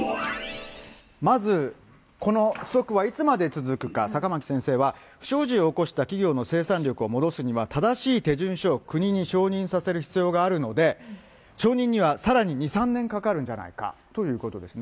まずこの不足はいつまで続くか、坂巻先生は、不祥事を起こした企業の生産力を戻すには、正しい手順書を国に承認させる必要があるので、承認にはさらに２、３年かかるんじゃないかということですね。